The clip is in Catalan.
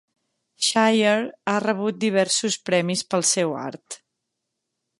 Shire ha rebut diversos premis pel seu art.